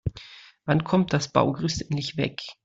Wann kommt das Baugerüst endlich weg?